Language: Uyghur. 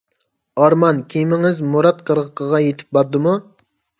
ئارمان كېمىڭىز مۇراد قىرغىقىغا يىتىپ باردىمۇ؟